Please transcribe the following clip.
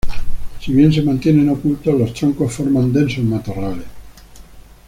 Si bien se mantienen ocultos, los troncos forman densos matorrales.